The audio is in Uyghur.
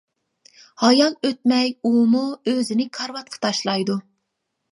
ھايال ئۆتمەي ئۇمۇ ئۆزىنى كارىۋاتقا تاشلايدۇ.